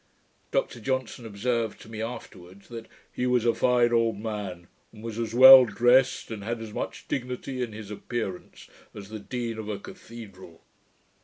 Dr Johnson observed to me afterwards, 'that he was a fine old man, and was as well dressed, and had as much dignity in his appearance as the dean of a cathedral'.